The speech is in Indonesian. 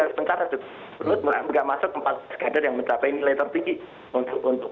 sudah pencara ruhut nggak masuk empat kader yang mencapai nilai tertinggi untuk untuk